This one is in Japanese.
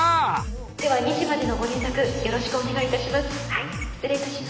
では２時までのご連絡よろしくお願いいたします。